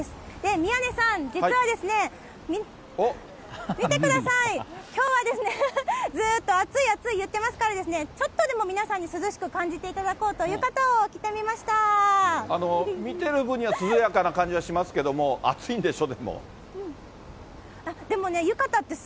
宮根さん、実はですね、見てください、きょうは、ずっと暑い、暑い言ってますから、ちょっとでも皆さんに涼しさを感じてもらおうということで着てみ見てる分には涼やかな感じはしますけれども、暑いんでしょ？